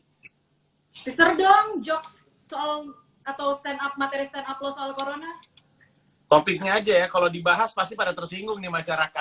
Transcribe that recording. ser dong jokes soal atau stand up materi stand uplo soal corona topiknya aja ya kalau dibahas pasti pada tersinggung nih masyarakat